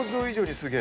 すげえ！